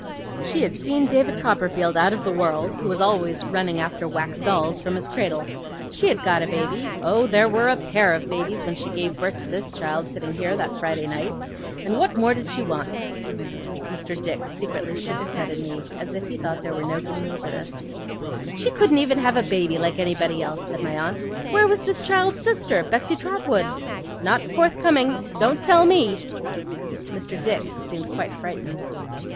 She had seen David Copperfield out of the world, who was always running after wax dolls from his cradle. She had got a baby oh, there were a pair of babies when she gave birth to this child sitting here, that Friday night! and what more did she want?' Mr. Dick secretly shook his head at me, as if he thought there was no getting over this. 'She couldn't even have a baby like anybody else,' said my aunt. 'Where was this child's sister, Betsey Trotwood? Not forthcoming. Don't tell me!' Mr. Dick seemed quite frightened.